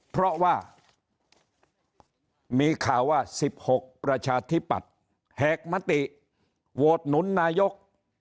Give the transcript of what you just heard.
เพราะว่ามีข่าวว่า๑๖ประชาธิปัตย์แหกมติโหวตหนุนนายก